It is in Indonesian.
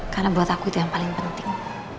karena buat aku itu yang paling penting